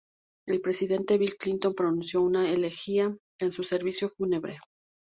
El presidente Bill Clinton pronunció una elegía en su servicio fúnebre.